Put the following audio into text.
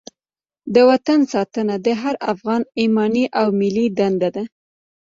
د وطن ساتنه د هر افغان ایماني او ملي دنده ده.